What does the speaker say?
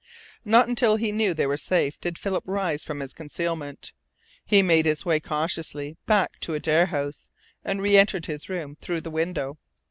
Not until he knew they were safe did Philip rise from his concealment. He made his way cautiously back to Adare House, and reentered his room through the window.